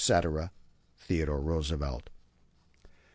THEODORE ROOSEVELT.